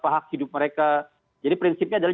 hak hidup mereka jadi prinsipnya adalah